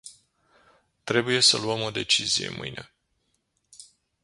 Trebuie să luăm o decizie mâine.